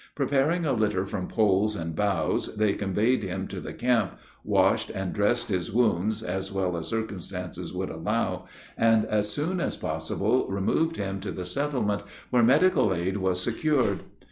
Preparing a litter from poles and boughs, they conveyed him to the camp, washed and dressed his wounds, as well as circumstances would allow, and, as soon as possible, removed him to the settlement, where medical aid was secured.